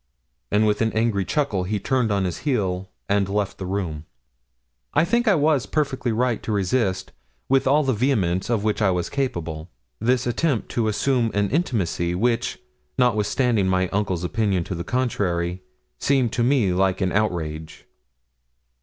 And, with an angry chuckle, he turned on his heel, and left the room. I think I was perfectly right to resist, with all the vehemence of which I was capable, this attempt to assume an intimacy which, notwithstanding my uncle's opinion to the contrary, seemed to me like an outrage.